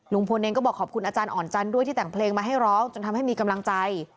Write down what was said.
เองก็บอกขอบคุณอาจารย์อ่อนจันทร์ด้วยที่แต่งเพลงมาให้ร้องจนทำให้มีกำลังใจ